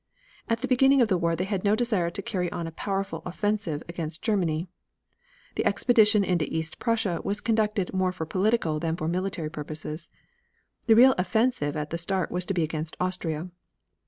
At the beginning of the war they had no desire to carry on a powerful offensive against Germany. The expedition into East Prussia was conducted more for political than for military purposes. The real offensive at the start was to be against Austria.